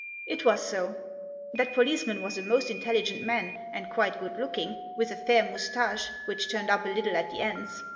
It was so. That policeman was a most intelligent man, and quite good looking, with a fair moustache which turned up a little at the ends.